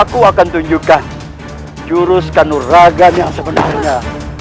aku akan tunjukkan jurus kanuragan yang sebenarnya